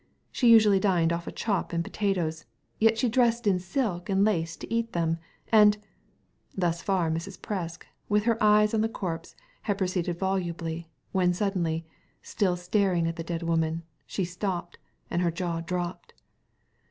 She usually dined off a chop and potatoes, yet she dressed in silk and lace to eat them. And " Thus far Mrs. Presk with her eyes on the corpse had proceeded volubly, when suddenly — still staring at the dead woman — ^she stopped, and her jaw dropped.